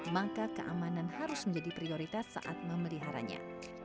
maka keamanan harus menjadi prioritas saat memeliharanya